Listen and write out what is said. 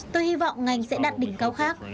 tôi hy vọng ngành sẽ đạt đỉnh cao khác